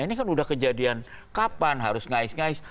ini kan sudah kejadian kapan harus naik naik